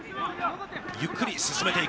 ゆっくり進めていく。